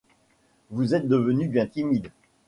Vous êtes devenu bien timide.